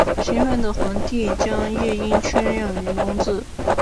兴奋的皇帝将夜莺圈养于笼子。